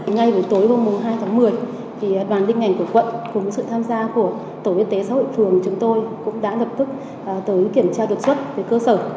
ngay từ tối hôm hai tháng một mươi thì đoàn định ngành của quận cùng sự tham gia của tổ y tế xã hội thường chúng tôi cũng đã lập tức tới kiểm tra được xuất về cơ sở